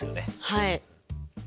はい。